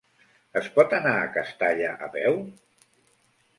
Es pot anar a Castalla a peu?